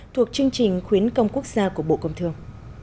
thuộc chương trình khuyến công quốc gia của bộ công thương